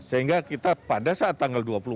sehingga kita pada saat tanggal dua puluh empat